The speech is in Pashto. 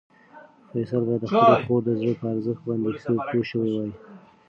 فیصل باید د خپلې خور د زړه په ارزښت باندې ښه پوه شوی وای.